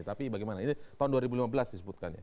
tapi bagaimana ini tahun dua ribu lima belas disebutkan ya